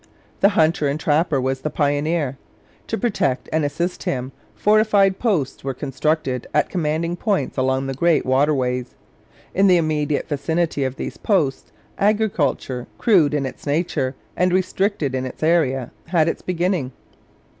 The hunter and trapper was the pioneer. To protect and assist him, fortified posts were constructed at commanding points along the great waterways. In the immediate vicinity of these posts agriculture, crude in its nature and restricted in its area, had its beginning.